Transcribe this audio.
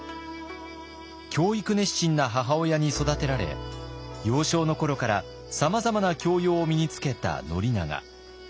教育熱心な母親に育てられ幼少の頃からさまざまな教養を身につけた宣長。